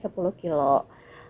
sekeluarga berkeluaran empat